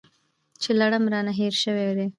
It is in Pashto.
چې لړم رانه هېر شوی دی .